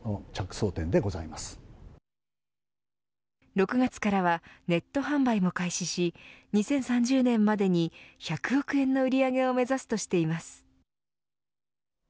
６月からはネット販売も開始し２０３０年までに１００億円の売り上げを目指すとしています。